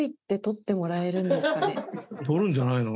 撮るんじゃないの？